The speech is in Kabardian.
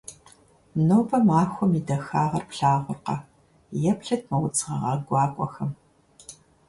Нобэ махуэм и дахагъэр плъагъуркъэ? Еплъыт мо удз гъэгъа гуакӀуэхэм.